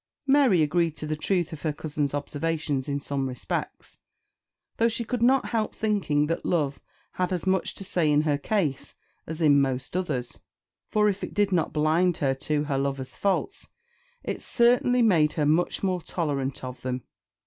Mary agreed to the truth of her cousin's observations in some respects, though she could not help thinking that love had as much to say in her case as in most others; for if it did not blind her to her lover's faults, it certainly made her much more tolerant of them.